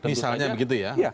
misalnya begitu ya